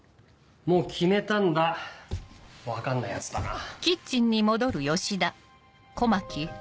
もう決めたんだ分かんないヤツだな。